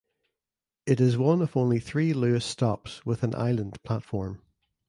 It is one of only three Luas stops with an island platform.